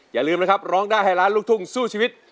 อย่าลืมนะครับร้องได้ให้ล้านลูกทุ่งสู้ชีวิต